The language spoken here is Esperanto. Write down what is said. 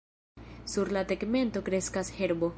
Sur la tegmento kreskas herbo.